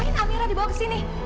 ini amira dibawa ke sini